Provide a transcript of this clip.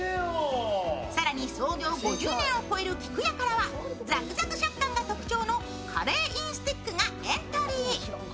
更に創業５０年を超える菊屋からはザクザク食感が特徴のカレーインスティックがエントリー。